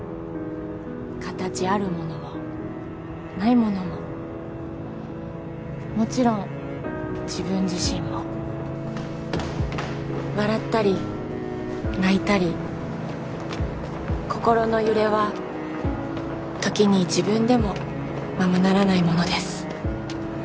形あるものもないものももちろん自分自身も笑ったり泣いたり心の揺れはときに自分でもままならないものです